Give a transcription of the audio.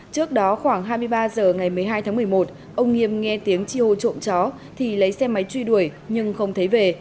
trước đó khoảng hai mươi ba h ngày một mươi hai tháng một mươi một ông nghiêm nghe tiếng chi hô trộm chó thì lấy xe máy truy đuổi nhưng không thấy về